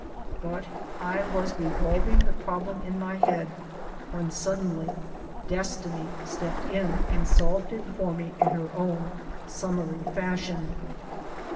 But — I was revolving the problem in my head, when suddenly Destiny stepped in and solved it for me in her own summary fashion.